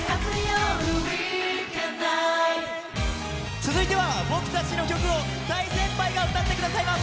続いては、僕たちの曲を大先輩が歌ってくださいます！